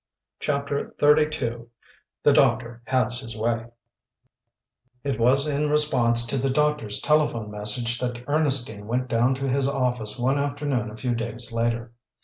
CHAPTER XXXII THE DOCTOR HAS HIS WAY It was in response to the doctor's telephone message that Ernestine went down to his office one afternoon a few days later.